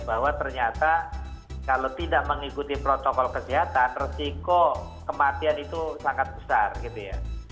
bahwa ternyata kalau tidak mengikuti protokol kesehatan resiko kematian itu sangat besar gitu ya